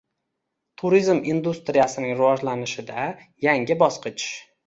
Turizm industriyasining rivojlanishida yangi bosqich